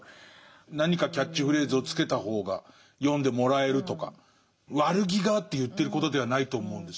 何かキャッチフレーズをつけた方が読んでもらえるとか悪気があって言ってることではないと思うんですね。